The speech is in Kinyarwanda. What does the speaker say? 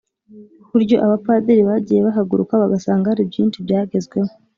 buryo abapadiri bagiye bahagaruka bagasanga hari byinshi byagezweho.